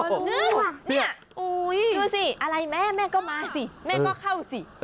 นี่ดูสิอะไรแม่แม่ก็มาสิแม่ก็เข้าสิ